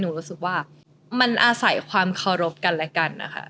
รู้สึกว่ามันอาศัยความเคารพกันและกันนะคะ